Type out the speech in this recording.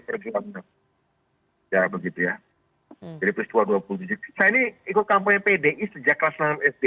perjuangan ya begitu ya jadi plus dua ratus dua puluh tujuh ini ikut kampanye pdi sejak kelas enam sd